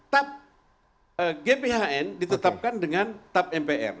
tab gbhn ditetapkan dengan tab mpr